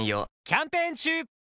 キャンペーン中！